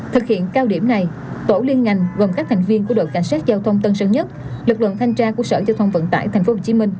thực hiện cao điểm này tổ liên ngành gồm các thành viên của đội cảnh sát giao thông tân sơn nhất lực lượng thanh tra của sở giao thông vận tải tp hcm